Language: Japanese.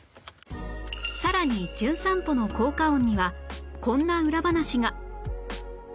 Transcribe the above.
さらに『じゅん散歩』の効果音にはこんな裏話が